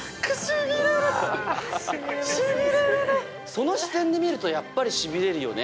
その視点で見るとやっぱりしびれるよね。